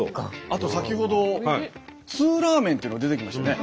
あと先ほどツーラーメンっていうのが出てきましたよね。